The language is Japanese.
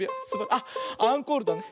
あっアンコールだね。